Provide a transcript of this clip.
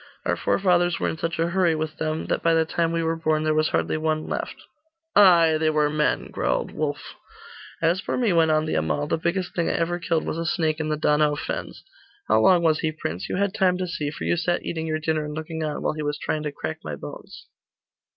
Our forefathers were in such a hurry with them, that by the time we were born, there was hardly one left.' 'Ay, they were men,' growled Wulf. 'As for me,' went on the Amal, 'the biggest thing I ever killed was a snake in the Donau fens. How long was he, prince? You had time to see, for you sat eating your dinner and looking on, while he was trying to crack my bones.